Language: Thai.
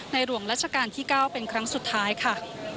หลวงรัชกาลที่๙เป็นครั้งสุดท้ายค่ะ